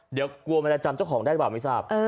เดี๋ยวกลัวมันจะจำเจ้าของได้หรือเปล่าไม่ทราบ